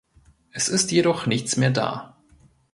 Es ist jedoch nichts mehr da.